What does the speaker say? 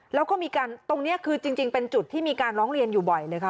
แล้วก็มีการตรงนี้คือจริงเป็นจุดที่มีการร้องเรียนอยู่บ่อยเลยค่ะ